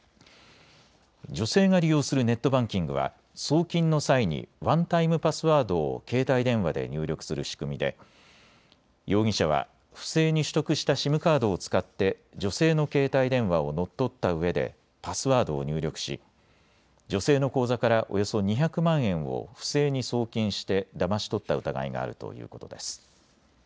女性が利用するネットバンキングは送金の際にワンタイムパスワードを携帯電話で入力する仕組みで容疑者は不正に取得したＳＩＭカードを使って女性の携帯電話を乗っ取ったうえでパスワードを入力し女性の口座からおよそ２００万円を不正に送金してだまし取った疑いがあるということです。